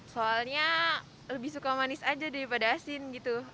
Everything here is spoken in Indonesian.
soalnya lebih suka manis aja daripada asin gitu